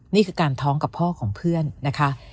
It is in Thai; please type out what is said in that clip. นี่คือการท้องกับพ่อของเพื่อนนะคะ